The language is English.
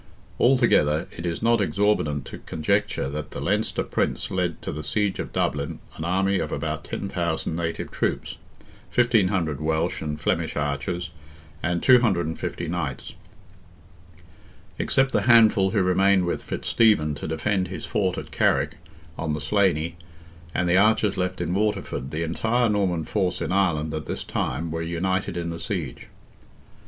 Altogether, it is not exorbitant to conjecture that the Leinster Prince led to the siege of Dublin an army of about 10,000 native troops, 1,500 Welsh and Flemish archers, and 250 knights. Except the handful who remained with Fitzstephen to defend his fort at Carrick, on the Slaney, and the archers left in Waterford, the entire Norman force in Ireland, at this time, were united in the siege.